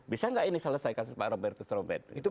bisa tidak ini selesaikan pak robertus robert